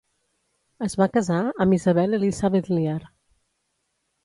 Es va casar amb Isabel Elizabeth Lear.